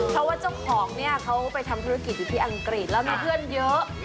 เพราะว่าเจ้าของเนี่ยเขาไปทำธุรกิจอยู่ที่อังกฤษแล้วมีเพื่อนเยอะ